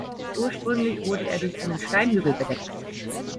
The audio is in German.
Ursprünglich wurde er durch einen Steinhügel bedeckt.